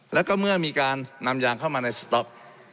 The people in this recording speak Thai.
แล้วก็เมื่อมีการนำยางเข้ามาในสต๊อก